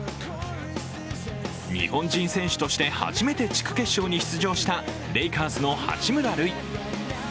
日本人選手として初めて地区決勝に出場したレイカーズの八村塁。